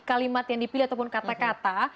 kalimat yang dipilih ataupun kata kata